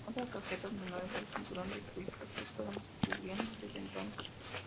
Otros objetos menores del cinturón de Kuiper se fueron descubriendo desde entonces.